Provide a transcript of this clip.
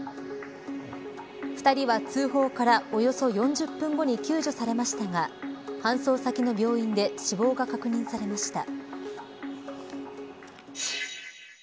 ２人は通報からおよそ４０分後に救助されましたが搬送先の病院で死亡が確認されました。